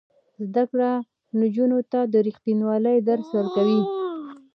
زده کړه نجونو ته د ریښتینولۍ درس ورکوي.